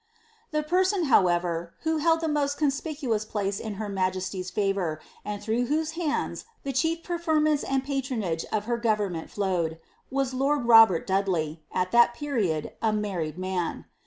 The person, however, who held the most conspicuous place in hsr majesty's favour, and through whose hands the chief preferments and patronage of her government flowed, was lord Robert Dudley, at that period a married man.